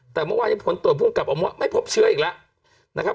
แต่เมื่อวานที่ผลการตรวจภูมิกับอ๋อไม่พบเชื้ออีกแล้ว